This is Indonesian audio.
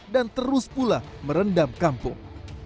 dan terus pula merendam kampung